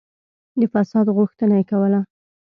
د فساد غوښتنه کوله.